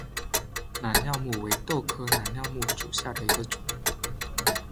染料木为豆科染料木属下的一个种。